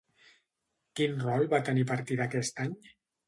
Quin rol va tenir a partir d'aquest any?